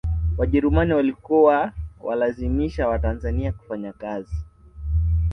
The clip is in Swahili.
wajerumani walikuwa walazimisha watanzania kufanya kazi